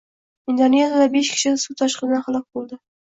Indoneziyada besh kishi suv toshqinidan halok bo‘lding